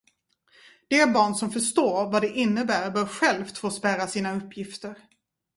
Det barn som förstår vad det innebär bör självt få spärra sina uppgifter.